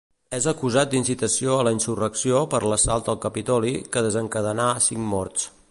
És acusat d'incitació a la insurrecció per l'assalt al Capitoli, que desencadenà cinc morts.